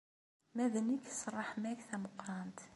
Ma d nekk, s ṛṛeḥma-k tameqqrant.